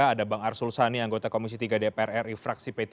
ada bang arsul sani anggota komisi tiga dpr ri fraksi p tiga